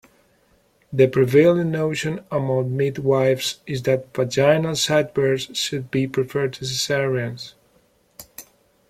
The prevailing notion among midwifes is that vaginal childbirths should be preferred to cesareans.